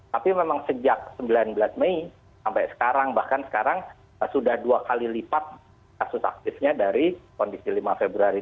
tapi memang sejak sembilan belas mei sampai sekarang bahkan sekarang sudah dua kali lipat kasus aktifnya dari kondisi lima februari